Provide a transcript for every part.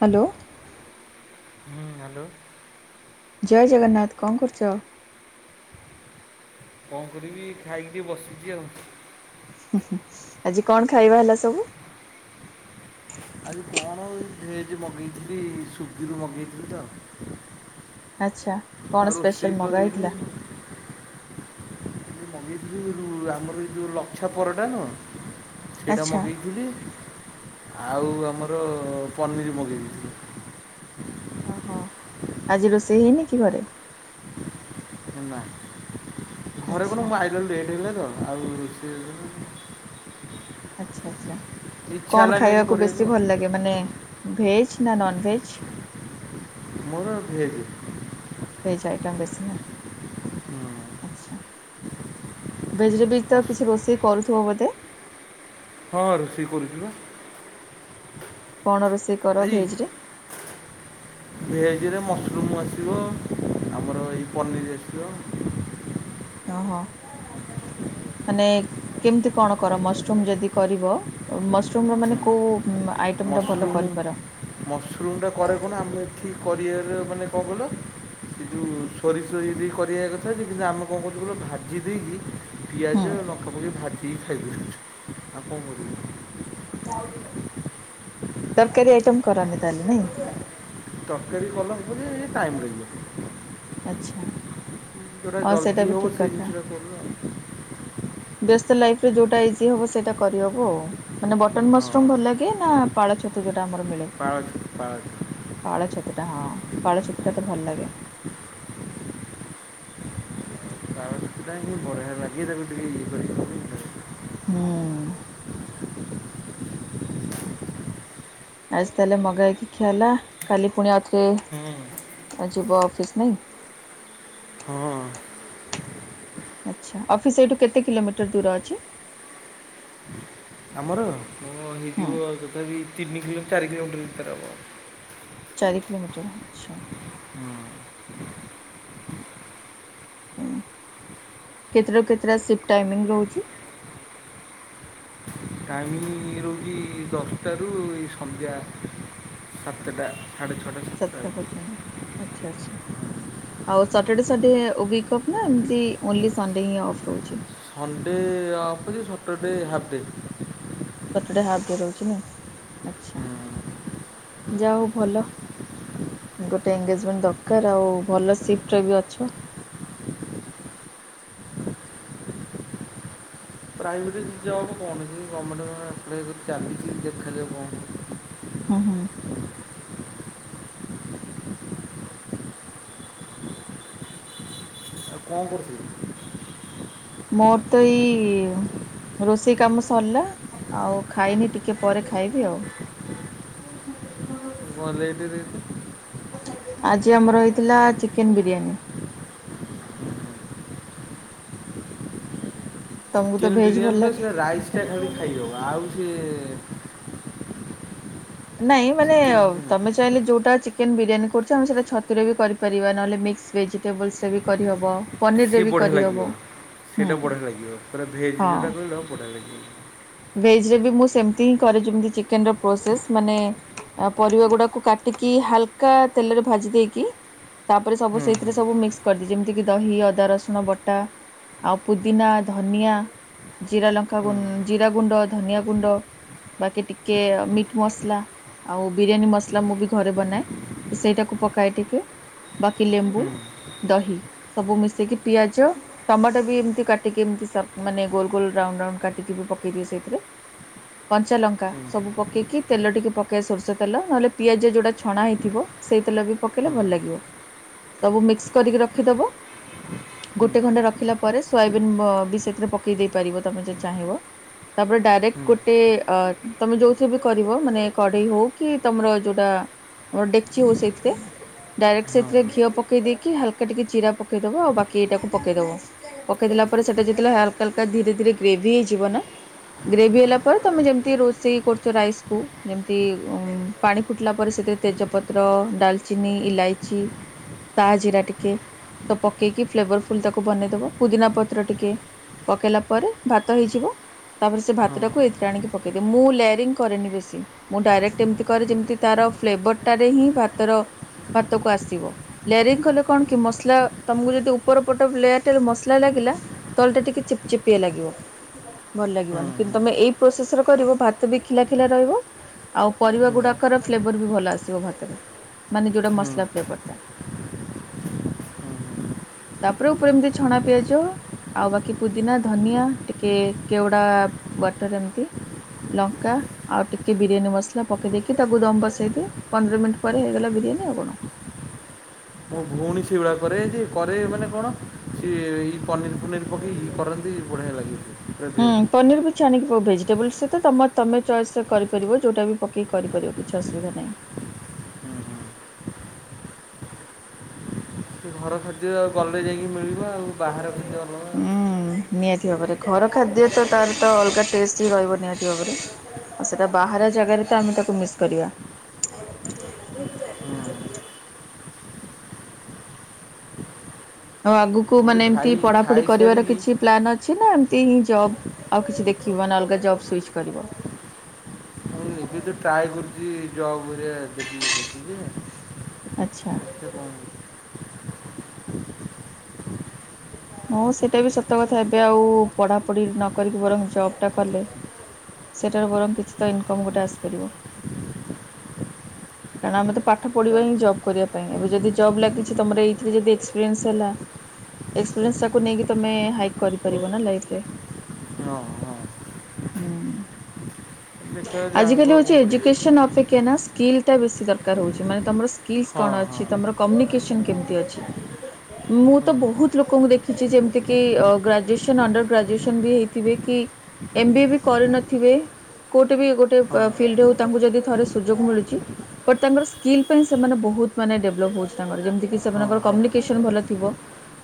Hello. ହୁଁ hello. ଜୟ ଜଗନ୍ନାଥ କଣ କରୁଛ। କଣ କରିବି ଖାଇକି ବସିଛି ଆଉ। ଉଁ ହୁଁ ଆଜି କଣ ଖାଇବା ହେଲା ସବୁ। ଆଜି କଣଉ ଏ ଭେଜ ମଗେଇଥିଲି ସ୍ଵିଗିରୁ ମଗେଇଥିଲି ତ। ଆଚ୍ଛା କଣ ଆଉ ସ୍ପେଶାଲ ରୋଷେଇ ତ ମଗା ହେଇଥିଲା? ହେଇନି। ମଗେଇଥିଲି ଯୋଉ ଆମର ଏଇ ଯୋଉ ଲଛା ପରଟା ନୁହଁ। ସେଇଟା ଆଚ୍ଛା ମଗେଇଥିଲି ଆଉ ଆମର ପନିର ମଗେଇ ଦେଇଥିଲି।। ଓହୋ ଆଜି ରୋଷେଇ ହେଇନି କି ଘରେ। ନା ଘରେ ଆଚ୍ଛା କଣ ଆଇଲା ବେଳକୁ ଲେଟ୍ ହେଇଲେ ତ ଆଉ ରୋଷେଇ। ଆଚ୍ଛା ଆଚ୍ଛା ଇଚ୍ଛା କଣ ହେଲାନି ଆଜି ଖାଇବାକୁ କରିବାକୁ ବେଶୀ ଆଉ। ଭଲ ଲାଗେ ମାନେ ଭେଜ୍ ନା ନନଭେଜ୍। ମୋର ଭେଜ୍। ଭେଜ୍ ଆଇଟମ୍ ବେଶୀ ନା ହୁଁ, ଆଚ୍ଛା। ଭେଜରେ ବି ତ ମସ୍ତ କିଛି ରୋଷେଇ କରୁଥିବ ବୋଧେ। ହଁ ରୋଷେଇ କରୁଛି ବା। କଣ ରୋଷେଇ କର ଭେଜ୍ ରେ? ଭେଜଜରେ ମସ୍ରୁମ୍ ଆସିବ ଆମର ଏଇ ପନିର୍ ଆସିବ। ଓହୋ। ମାନେ କେମିତି କଣ କର ମସରୁମ୍ ଯଦି କରିବ ମସରୁମ୍ ର ମାନେ? କେଉ ଆଇଟମ୍ ଟା ଭଲ କରିପାର? ମସରୁମ୍ ଟା କରେ ଫୁଣି ଆମେ ଏଠି କରିବାର ମାନେ କଣ କଇଲ? ସେ ଯୋଉ ସୋରିଷ ଇଏ ଦେଇକି କରିବା କଥା ଯେ ଆମେ କଣ କରୁଛୁ ଗୋଟେ ଭାଜି ଦେଇକି ପିଆଜ, ହୁଁ ଲଙ୍କା, ପକେଇକି ଭାଜିିକି ଖାଇଦଉଛୁ ଆଉ କଣ କରିବୁ। ତରକାରୀ ଆଇଟମ୍ କରନ୍ତି ତାହେଲେ ନାଇଁ କି? ତରକାରୀ କଲେ ହବ ଜେ ଏ -ଏଇ ଟାଇମ୍ ଆଚ୍ଛା ଲାଗିବ। ଯୋଉ ଟା ହଁ ସେଇଟା ଜଲ୍ଦି ବି ହବ ଠିକ୍ ସେଇ କଥା। ଜିନିଷଟା କରୁ ଆଉ। ବ୍ୟସ୍ତ ଲାଇଫରେ ଯେଉଟା ଇଜି ହେବ ସେଇଟା କରିହେବ ଆଉ। ମାନେ ବଟନ୍ ହଁ ମସରୁମ୍ ଭଲ ଲାଗେ ନା ପାଳ ଛତୁ ଯୋଉଟା ଆମର ମିଳେ? ପାଳ ଛତୁ, ପାଳ ଛତୁ। ପାଳ ଛତୁଟା ହଁ ପାଳ ଛତୁଟା ତ ଭଲ ଲାଗେ। ପାଳ ଛତୁ ଟା ହିଁ ବଢିଆ ଲାଗେ ତାକୁ ଟିକେ ଇଏ କରିକି କଲେ ହୁଁ। ଆଜି ତାହେଲେ ମଗାହେଇକି ଖିଆ ହେଲା କାଲି ପୁଣି ଆଉଥରେ ଯିବ ଅଫିସ୍ ନାଇଁ? ହଁ ଆଚ୍ଛା ଅଫିସ୍ ଏଇଠୁ କେତେ କିଲୋମିଟର ଦୂର ଅଛି? ଆମର ହଁ ହୁଁ ହେଇଯିବ ତଥାପି ତିନି କିଲୋ, ଚାରି କିଲୋମିଟର ଭିତରେ ହବ। ଚାରି କିଲୋମିଟର ଆଚ୍ଛା। ହୁଁ। କେତେଟା ରୁ କେତେଟା ସିଫ୍ଟ ଟାଇମିଙ୍ଗ ରହୁଛି? ଟାଇମିଙ୍ଗ ରହୁଛି ଦଶଟାରୁ ଏଇ ସନ୍ଧ୍ୟା ସାତଟା। ସାଡେ ଛଅଟା। ସାତଟା ପର୍ଯ୍ୟନ୍ତ ଆଚ୍ଛା ଆଚ୍ଛା। ଆଉ ସାଟର୍ଡ଼େ ସଣ୍ଡେ ୱିକ୍ ଅଫ୍ ନା ଏମିତି ଓନ୍ଲି ସଣ୍ଡେ ହିଁ ଅଫ୍ ରହୁଛି? ସଣ୍ଡେ ଅଫ ଅଛି Saturday half day. Saturday half day ରହୁଛି ନା ଆଚ୍ଛା ଯା ହଉ ଭଲ। ଗୋଟେ ଏନଙ୍ଗେଜମେଣ୍ଟ ଦରକାର ଆଉ ଭଲ ସିଫ୍ଟ ବି ଅଛୁ। ପ୍ରାଇଭେଟ ଜବ କଣ ସେଇ ଗମେଣ୍ଟ ଆପ୍ଲାଏ କରିଛି ଚାଲିଛି ଦେଖା କଣ ହଉଛି। ହୁଁ, ହୁଁ। ଆଉ କଣ କରୁଥିଲୁ। ମୋର ତ ଏଇ ରୋଷେଇ କାମ ସରିଲା ଆଉ ଖାଇନି ଟିକେ ପରେ ଖାଇବି ଆଉ। ବ ଲେଇଦେ ଦେଇଦେ [unintelligible] ଆଜି ଆମର ହେଇଥିଲା ଚିକେନ୍ ବିରିୟାନୀ। ତମକୁ ତ ଚିକେନ୍ ଭେଜ୍ ଭଲ ବିରିୟାନୀର ଲାଗେ ସେ ରାଇସ୍ ଟା ଖାଲି ଖାଇଦେବ ଆଉ ସିଏ ନାଇଁ ମାନେ ଚିକେନ୍ କିଛି ନାହିଁ ତମେ ସେ ଚାହିଁଲେ ଯେଉଁଟା ଚିକେନ୍ ବିରିୟାନୀ କରୁଛି ଆମେ ସେଇଟା ଛତିରେ ବି କରିପାରିବା ନହେଲେ ମିକ୍ସ ଭେଜିଟେବଲ୍ସରେ ବି କରିହବ। ସିଏ ବଢ଼ିଆ ଲାଗିବ, ସେଇଟା ବଢ଼ିଆ ଲାଗିବ, ପୁରା ଭେଜ୍ ଯୋଉଟା କହିଲ ବଢ଼ିଆ ଲାଗିବ। ଭେଜ ରେ ବି ମୁଁ ସେମିତି ହିଁରେ ଯେମତି ଚିକେନ୍ ପ୍ରୋସେସ୍ ମାନେ ଆ ପରିବା ଗୁଡ଼ାକୁ କାଟିକି ହାଲକା ତେଲରେ ଭାଜି ଦେଇକି ତାପ ସବୁ ହୁଁ ସେଥିରେ ସବୁ ମିକ୍ସ କରିଦି ଯେମିତିକି ଦହି, ଅଦା, ରସୁଣ ବଟା ଆଉ ପୁଦିନା ଧନିଆ ଜିରା ଲଙ୍କା ହୁଁ ହୁଁ ଜିରା ଗୁଣ୍ଡ, ଧନିଆ ଗୁଣ୍ଡ ବାକି ଟିକଏ ମିଟ୍ ମସଲା ଆଉ ବିରିୟାନୀ ମସଲା ମୁଁ ବି ଘରେ ବନାଏ ତ ସେଇଟାକୁ ପକାଏ ଟିକେ ବାକି ଲେମ୍ବୁ, ହୁଁ ଦହି। ସବୁ ମିଶେଇକି ପିଆଜ ଟମାଟୋ ବି ଏମିତି କାଟିକି ଏମତି ସପ ମାନେ ଗୋଲ ଗୋଲ ରାଉନଡ୍ ରାଉଣ୍ଡ କାଟିକି ବି ପକେଇ ଦିଏ ସେଇଥିରେ। କଞ୍ଚା ଲଙ୍କା ହୁଁ ସବୁ ପକେଇକି ତେଲ ଟିକେ ପକାଇଆ ସୋରିଷ ତେଲ ନହେଲେ ପିଆଜ ଯେଉଁଟା ଛଣା ହେଇଥିବ ସେଇ ତେଲ ବି ପକେଇଲେ ଭଲ ଲାଗିବ ସବୁ ମିକ୍ସ କରିକି ରଖିଦେବ। ହୁଁ ହୁଁ ଗୋଟେ ଘଣ୍ଟା ରଖିଲା ପରେ ସୋୟାବିନ୍ ବି ସେଥିରେ ପକେଇ ଦେଇ ପାରିବ ତମେ ଯଦ ଚାହିଁବ। ତାପରେ ଡାଇରେକ୍ଟ ହୁଁ ଗୋଟେ ଅ ତମେ ଯୋଉ ଥିରେ ବି କରିବ ମାନେ କଢେଇ ହଉ କି ତମର ଯୋଉଟା ଓ ଡେକ୍ଚି ହଉ ସେଥିରେ ଡାଇରେକ୍ଟ ହଁ ସେଥିରେ ଘିଅ ପକେଇ ଦେଇକି ହାଲକା ଟିକେ ଜିରା ପକେଇଦବ ଆଉ ବାକି ଏଇଟାକୁ ପକେଇଦବ। ପକେଇ ଦେଲା ପରେ ସେଟା ଯେତେଲେ ହାଲକା ହାଲକା ଧୀରେ ଧୀରେ ଗ୍ରେଭି ହେଇଯିବ ନା ଗ୍ରେଭି ହେଲା ପରେ ତମେ ଯେମିତି ରୋଷେଇ କରୁଛ ରାଇସ୍କୁୁ ଯେମିତି ଉଁ ପାଣି ଫୁଟିଲା ପରେ ସେଥିରେ ତେଜପତ୍ର ପତ୍ର, ଡାଲଚିନି, ଇଲାଇଚି, ସା ଜିରା ଟିକେ ସବ୍ ପକେଇକି ଫ୍ଲେଭରଫୁଲ ତାକୁ ବନେଇଦବ ପୁଦିନା ପତ୍ର ଟିକେ ପକାଇଲା ପରେ ଭାତ ହେଇଯିବ। ତାପରେ ସେ ହଁ ହୁଁ ହୁଁ ହୁଁ ଭାତଟାକୁ ହୁଁ ଏଇଥିରେ ଆଣିକି ପକଦିଏ ମୁଁ ଲେୟାରିଙ୍ଗ କରେନି ବେଶୀ। ମୁଁ ଡାଇରେକ୍ଟ ଏମିତି କରେ ଯେମିତି ତାର ଫ୍ଲେଭରଟାରେ ହିଁ ଭାତର ଭାତକୁ ଆସିବ। ଲେୟାରିଙ୍ଗ କଲେ କଣ କି ମସଲା ତମକୁ ଯଦି ଉପର ପଟ ଲେୟାର ଟାରେ ମସଲା ଲାଗିଲା। ତଳ ଟା ଟିକେ ଚିପ ଚିପିଆ ଲାଗିବ। ଭଲ ଲାଗିବନି କିନ୍ତୁ ତୁମେ ଏଇ ପ୍ରୋସେସରେ କରିବ ଭାତ ବି ଖିଲାଖିଲା ରହିବ ଆଉ ପରିବା ଗୁଡ଼ାକର ଫ୍ଲେଭର ବି ଭଲ ଆସିବ ଭାତରେ ମାନେ ଯେଉଁଟା ହୁଁ ମସଲା ଫ୍ଲେଭରଟା। ତାପରେ ଉପରେ ଏମିତି ଛଣା ପିଆଜ ଆଉ ବାକି ପୁଦିନା, ଧନିଆ ଟିକେ କେଉଡ଼ା ୱାଟର ଏମିତି ଲଙ୍କା ଆଉ ଟିକେ ବିରିୟାନୀ ମସଲା ପକାଇ ଦେଇକି ତାକୁ ଦମ୍ ବସାଇଦିଏ ପନ୍ଦର ମିନିଟ୍ ପରେ ହେଇଗଲା ବିରିୟାନୀ ଆଉ କଣ। ମୁଁ ଭଉଣୀ ସେଇଭଳିଆ କରେ ଯେ କରେ ମାନେ କଣ ସିଏଇ ପନିର ଫନିର ପକେଇକି କରନ୍ତି ବଢ଼ିଆ ଲାଗିବ। ହୁଁ ପନିର ଛାଣିକି ଭେଜିଟେବଲ୍ସ ସହିତ ତମ ତମେ ଚଏସ୍ କରିପରିବ ଯଉଟା ବି ପେକେଇକି କରିପାରିବ କିଛି ଅସୁବିଧା ନାହିଁ। ସେ ଘର ଖାଦ୍ୟ ଗଲେ ଯାଇକି ମିଳିବ ଆଉ ବାହାର ଖାଦ୍ୟ ଅଲଗା ହୁଁ ନିହାତି ଭାବରେ ଘର ଖାଦ୍ୟ ତ ତାର ତ ଅଲଗା ଟେଷ୍ଟ ହି ରହିବ ନିହାତି ଭାବରେ ଆଉ ସେଇଟା ବାହାର ଜାଗାରେ ତ ଆମେ ତାକୁ ମିସ୍ କରିବା। ହୁଁ ଆଉ ଆଗକୁ ମୁଁ ମାନେ ଟିକେ ଏମିତି ଖାଇ ପଢାପଢି କରିବାର ଖାଇସାରିକି କିଛି ପ୍ଲାନ୍ ଅଛି ନା ଏମିତି ହିଁ ଜବ୍ ଆଉ କିଛି ଦେଖିବ ନା ଅଲଗା ଜବ୍ ସୁଇଚ୍ କରିବ। ଏବେ ତ ଟ୍ରାଏ କରୁଛି ଜବ୍ ହେରିକା ଦେଖିକି କରୁଚି ଯେ ଆଚ୍ଛା। [inaudible] ହଁ ସେଇଟା ବି ସତ କଥା ଏବେ ଆଉ ପଢ଼ାପଢି ନ କରିକି ବରଂ ଜବ୍ ଟା କଲେ। ସେଠାର ବରଂ କିଛି ତ ଇନକମ୍ ଗୋଟେ ଆସିପାରିବ। କାରଣ ଆମେ ତ ପାଠ ତାର ପଢିବା ହିଁ ଜବ୍ କରିବା ପାଇଁ ଏବେ ଯଦି ଜବ୍ ଲାଗିଛି ତମର ଏଇଥିରେ ଯଦି ଏକ୍ସପିରିଏନ୍ସ ହେଲା। ଏକ୍ସପିରିଏନ୍ସଟାକୁ ନେଇକି ତୁମେ ହାଇକ୍ କରିପାରିବ ନା ଲାଇଫରେ। ହଁ ହଁ। ହୁଁ ଦେଖିବା ଯାହା ହେବ ଆଜିକାଲି ଆଉ କ'ଣ ହଉଛି କରିବା ଏଜୁକେସନ ଅପେକ୍ଷା ନା ସ୍କିଲଟା ବେଶୀ ଦରକାର ହେଉଛି ମାନେ ତୁମର ସ୍କିଲସ ହଁ କଣ ହଁ ଅଛି ତୁମର କମ୍ୟୁନିକେସନ୍ କେମିତି ଅଛି। ହ ମୁଁ ହୁଁ ତ ବହୁତ ଲୋକଙ୍କୁ ଦେଖିଛି ଯେମିତିକି ଗ୍ରାଜୁଏସନ୍ ଅଣ୍ଡର୍ ଗ୍ରାଜୁଏସନ୍ ବି ହେଇଥିବେ କି ଏମ୍ ବିଏ ବି କରିନଥିବେ କେଉଁଠି ବି ଗୋଟେ ହଁ ଫିଲ୍ଡରେ ହଉ ତାଙ୍କୁ ଯଦି ଥରେ ସୁଯୋଗ ମିଳୁଛି ବଟ୍ ତାଙ୍କର ସ୍କିଲ୍ ପାଇଁ ସେମାନେ ବହୁତ ମାନେ ଡେଭଲପ୍ ହେଉଛି ତାଙ୍କର ଯେମିତିକି ହଁ ସେମାନଙ୍କର ହଁ କମ୍ୟୁନିକେସନ୍ ଭଲ ଥିବ।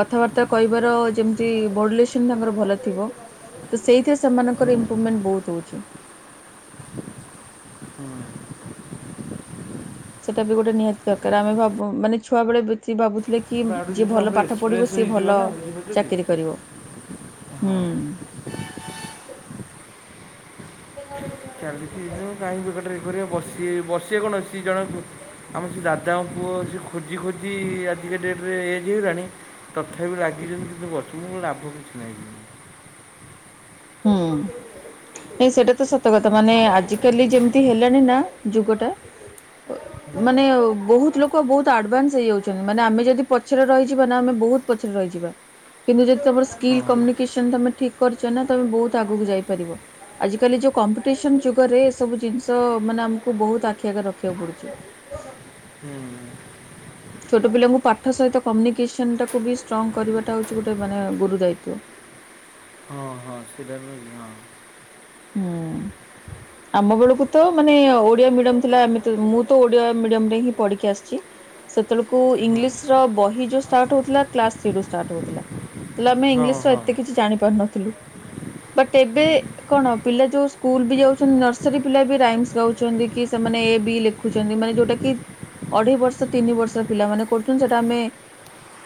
କଥାବାର୍ତ୍ତା କହିବାର ଯେମତି ବଡିଲେସନ ତାଙ୍କର ଭଲ ଥିବ ତ ସେଇଥି ହୁଁ ସେମାନଙ୍କର ଇମ୍ପ୍ରୁଭମେଣ୍ଟ ବହୁତ ହଉଛି। ହୁଁ ସେଇଟା ବି ଗୋଟେ ନିହାତି ଦରକାର ଆମେ ଭାବୁ ମାନେ ଛୁଆବେେଳେ ଭାବୁଥିଲେ କି ତାପରେ ଆଉ କି ଗୋଟେ ଯିଏ ଜିନିଷ ଭଲ ଆମର ପାଠ ପଢିବ ଏକ୍ସପିରିଏନ୍ସ ସିଏ ହେଇଯିବ ଭଲ ନା ବୁଝିପାରୁଛନ୍ତି ଚାକିରି କରିବ ହଁ ହୁଁ। ଚାଲିଛିିନ କାହିଁକି ବେକାରଟାରେ ଏକୁଟିଆ କରିବା ବସିବେ ବସିବେ କଣ ଅଛି ଜଣେ ଆମ ସେ ଦାଦାଙ୍କ ପୁଅ ସେ ଖୋଜି ଖୋଜି ଆଜିକା ଡେଟରେ ଏଜ୍ ହେଇଗଲାଣି। ତଥାପି ଲାଗିଛନ୍ତି ଯେ କିନ୍ତୁ ବସିବ ଲାଭ କିଛି ନାହିଁ। ହୁଁ। ନାଇଁ ସେଇଟା ତ ସତ କଥା ମାନେ ଆଜିକାଲି ଯେମିତି ହେଲାଣି ନା ଯୁଗ ଟା ମାନେ ବହୁତ ଲୋକ ବହୁତ ଆଡଭାନ୍ସ ହେଇଯାଉଛନ୍ତି ମାନେ ଆମେ ଯଦି ପଛରେ ରହିଯିବା ନା ଆମେ ବହୁତ ପଛରେ ରହିଯିବା। କିନ୍ତୁ ଯଦି ତମର ସ୍କିଲ୍ ହଁ କମ୍ୟୁନିକେସନ ତମେ ଠିକ୍ କରିଛ ନା ତମେ ବହୁତ ଆଗକୁ ଯାଇପାରିବ। ଆଜିକାଲି ଯେଉଁ କମ୍ପିଟିସନ୍ ଯୁଗରେ ଏସବୁ ଜିନିଷ ମାନେ ଆମକୁ ବହୁତ ଆଖି ଆଗରେ ରଖିବାକୁ ପଡ଼ୁଛି। ହୁଁ ଛୋଟ ପିଲାଙ୍କୁ ପାଠ ସହିତ କମ୍ୟୁନିକେସନ ଟାକୁ ବି ଷ୍ଟ୍ରଙ୍ଗ କରିବାଟା ହଉଛି ଗୋଟେ ମାନେ ଗୁରୁ ଦାୟିତ୍ଵ। ହଁ ହଁ ସେଇଟାବି ହଁ। ହୁ। ଆମ ବେଳକୁ ତ ମାନେ ଓଡିଆ ମିଡିୟମ ଥିଲା ମୁଁ ତ ଓଡିଆ ମିଡିୟମ ରେ ହିଁ ପଢିକି ଆସିଛି। ସେତେବେଳକୁ ହଁ ଇଂଲିଶର ବହି ଯେଉଁ ଷ୍ଟାର୍ଟ ହଉଥିଲା କ୍ଲାସ୍ ଥ୍ରୀ ରୁ ଷ୍ଟାର୍ଟ ହଉଥିଲା। ତାହଲେ ଆମେ ହଁ ଇଂଲିଶ ର ହଁ ଏତେ କିଛି ଜାଣି ପାରୁନଥିଲୁ ବଟ୍ ଏବେ ହୁଁ କଣ ପିଲା ଯୋଉ ସ୍କୁଲ ବି ଯାଉଛନ୍ତି ନର୍ସରୀ ପିଲା ବି ରାଇମସ ଗାଉଛନ୍ତି କି ସେମାନେ ଏ ବି ଲ ଦେଖୁଛନ୍ତି ମାନେ ଯୋଉଟା କି ଅଢେଇ ବର୍ଷ ତିନି ବର୍ଷ ପିଲାମାନେ କରୁଛନ୍ତି ସେଟା ଆମେ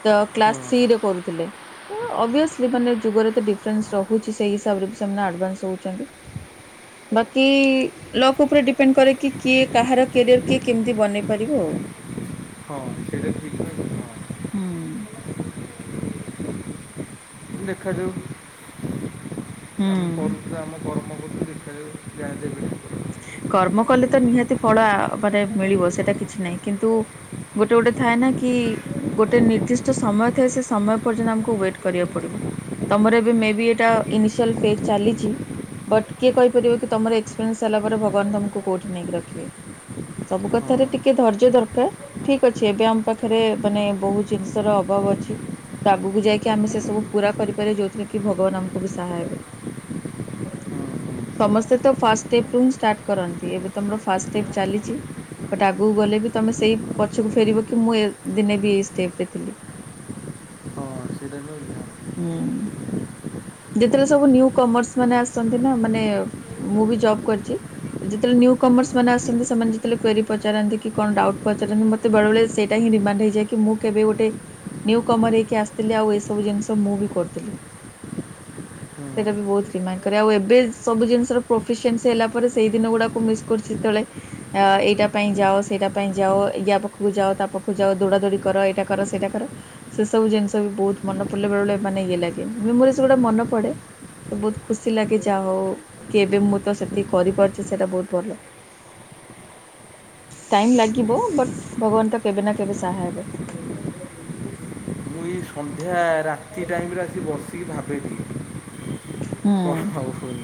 ତ ହଁ କ୍ଲାସ ଥ୍ରୀରେ କରୁଥିଲେ। ଅଭିଅସଲି ମାନେ ଯୁଗରେ ତ ଡିଫରେନ୍ସ ରହୁଛି ସେଇ ହିସାବରେ ବି ସେମାନେ ଆଡଭାନ୍ସ ହଉ ନ୍ତି ବାକି ଲକ୍ ଉପରେ ଡିପେଣ୍ଡ କରେ କି କିଏ କାହାର କ୍ୟାରିୟର୍ କିଏ କେମିତି ବନେଇ ପାରିବ ଆଉ। [inaudible] ହୁଁ ଦେଖାଯାଉ। ଆମେ ହୁଁ। କରୁଥିଲେ ଆମ କର୍ମକରିଚୁ ଦେଖା ଯାଉ [unintelligible] କର୍ମ କଲେ ତ ନିହାତି ଫଳ ମାନେ ମିଳିବ ସେଇଟା କିଛି ନାହିଁ କିନ୍ତୁ ଗୋଟେ ଗୋଟେ ଥାଏ ନା କି ଗୋଟେ ନିର୍ଦ୍ଦିଷ୍ଟ ସମୟ ଥାଏ ସେ ସମୟ ପର୍ଯ୍ୟନ୍ତ ଆମକୁ ୱେଟ୍ କରିବାକୁ ପଡ଼ିବ। ତମର ଏବେ ମେ ବି ଏଇଟା ଇନିସିଆଲ୍ ଫେଜ୍ ଚାଲିଚି ବଟ୍ କିଏ କହିପାରିବ କି ତମର ଏକ୍ସପିରିଏନ୍ସ୍ ସାରିଲା ପରେ ଭଗବାନ୍ ତମକୁ କଉଠି ନେଇକି ରଖିବେ ସବୁ କଥାରେ ହଁ ଟିକେ ଧୈର୍ଯ୍ୟ ଦରକାର୍ ଠିକ୍ ଅଛି ଏବେ ଆମ ପାଖରେ ମାନେ ବହୁତ୍ ଜିନିଷର ଅଭାବ ଅଛି ତ ଆଗକୁ ଯାଇକି ଆମେ ସେ ସବୁ ପୁରା କରିପାରିବେ ଯୋଉଥିରେ କି ଭଗବାନ୍ ଆମକୁ ବି ସାହା ହେବେ ହୁଁ ହୁଁ ସମସ୍ତେ ତ ଫାଷ୍ଟ୍ ଷ୍ଟେପ୍ ରୁୁ ହିଁ ଷ୍ଟାର୍ଟ କରନ୍ତି ଏବେ ତମର ଫାଷ୍ଟ୍ ଷ୍ଟେପ୍ ଚାଲିଚି ବଟ୍ ଆଗକୁ ଗଲେ ବି ତୁମେ ସେଇ ପଛକୁ ଫେରିବ କି ମୁଁ ଏ ଦିନେ ବି ଏଇ ଷ୍ଟେପ୍ରେ ଥିଲି। ହଁ ସେଇଟା ବି ଉଦାହରଣ। ହୁଁ। ଯେତେବେଳେ ସବୁ ନ୍ୟୁ କମର୍ସ ମାନେ ଆସଛନ୍ତି ନା ମାନେ ମୁଁ ବି ଜବ୍ କରିଚି ଯେତେବେଳେ ନ୍ୟୁ କମର୍ସ ହୁଁ ମାନେ ଆସନ୍ତି ସେମାନେ ଯେତେବେଳେ କ୍ୱାରି ପଚାରନ୍ତି କି କଣ ଡାଉଟ୍ ପଚାରନ୍ତି ମ ତେ ବେଳେ ବେଳେ ସେଇଟା ହିଁ ରିମାଣ୍ଡ୍ ହେଇଯାଏ କି ମୁଁ କେବେ ଗୋଟେ ନିଉ କମର୍ ହେଇକି ଆସିଥିଲି ଆଉ ଏସବୁ ଜିନିଷ ମୁଁ ବି କରୁଥିଲି। ହୁଁ। ସେଇଟା ବି ବହୁତ ରିମାଣ୍ଡ୍ କରେ ଆଉ ଏବେ ସବୁ ଜିନିଷର ପ୍ରୋଫସିନ୍ ହେଲା ପରେ ସେଇ ଦିନ ଗୁଡା ମିସ୍ କରଛି ଯେତବେଳେ ଏଇଟା ପାଇଁ ଯାଉ ସେଇଟା ପାଇଁ ଯାଅ ୟା ପାଖକୁ ଯାଅ ତା ପାଖକୁ ଯାଅ ଦୌଡ଼ା ଦୌଡ଼ି କର ଏଇଟା କର ସେଇଟା କର ସେ ସବୁ ଜିନିଷ ବି ବହୁତ୍ ମନେ ପଡିଲେ ବେଳେ ବେଳେ ମାନେ ଇଏ ଲାଗେ ମେମୋରିଇଜ ଗୁଡା ମନେ ପଡେ ତ ବହୁତ୍ ଖୁସି ଲାଗେ ଯାହା ହଉ କି ଏବେ ମୁଁ ତ ସେତିକି କରିପାରୁଛି ସେଇଟା ବହୁତ୍ ଭଲ। ଟାଇମ୍ ଲାଗିବ ବଟ୍ ଭଗବାନ୍ ତ କେବେ ନା କେବେ ସାହା ହେବେ। ମୁଁ ଏଇ ସନ୍ଧ୍ୟା ରାତି ଟାଇମ୍ ରେ ଆସିିକି ବସିକି ଭାବେବି ହୁଁ। [unintelligible]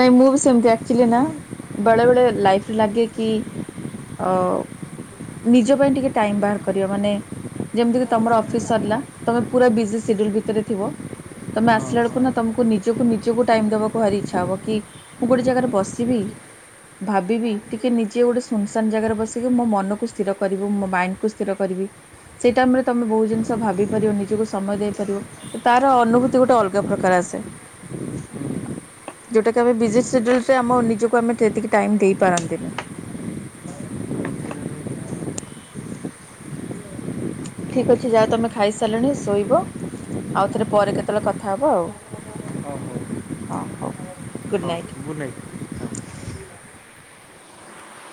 ନାଇଁ ମୁଁ ବି ସେମ୍ ତି ଆଚୁଲି ନା ବେଳେ ବେଳେ ଲାଇଫ୍ ରେ ଲାଗେ କି ଅ ନିଜ ପାଇଁ ଟିକେ ଟାଇମ୍ ବାହାର କରିବା ମାନେ ଯେମିତି ତମର ଅଫିସ୍ ସରିଲା ତମେ ପୁରା ବିଜି ସେଡ୍ୟୁଲ୍ ଭିତରେ ଥିବ ତମେ ହଁ ଆସିଲା ହଁ ବେଳକୁ ନା ତମକୁ ନିଜକୁ ନିଜକୁ ଟାଇମ୍ ଦବାକୁ ଭାରି ଇଛା ହବ କି ମୁଁ ଗୋଟେ ଜାଗାରେ ବସିବି ଭାବିବି ଟିକେ ନିଜେ ଗୋଟେ ସୁନସାନ୍ ଜାଗାରେ ବସିକି ମୋ ମନକୁ ସ୍ଥିର କରିବୁ ମୋ ମାଇଣ୍ଡ୍ କୁ ସ୍ଥିର କରିବି ସେହି ଟାଇମ୍ ରେ ତୁମେ ବହୁତ୍ ଜିନିଷ ଭାବିପାରିବ ନିଜକୁ ସମୟ ଦେଇପାରିବ ତାର ଅନୁଭୂତି ଗୋଟେ ଅଲଗା ପ୍ରକାର ଆସେ। ଯଉଟାକି ଆମେ ବିଜି ସେଡ୍ୟୁଲରେ ଆମ ନିଜକୁ ଆମେ ସେତିକି ଟାଇମ୍ ଦେଇ ପାରନ୍ତିନି ସେଇଟା ବି ହଁ ଠିକ୍ ଅଛି ଯାଅ ତମେ ଖାଇସାରିଲାଣି ଶୋଇବ ଆଉ ଥରେ ପରେ କେତେବେଳେ କଥା ହେବ ଆଉ ହଉ ହଁ ହଉ ଗୁଡ଼୍ ନାଇଟ୍। Good night.